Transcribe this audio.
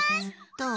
どう？